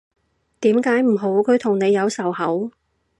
點解唔好，佢同你有仇口？